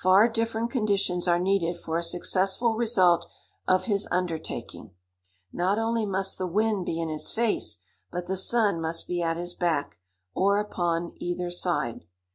Far different conditions are needed for a successful result of his undertaking. Not only must the wind be in his face, but the sun must be at his back, or upon either side.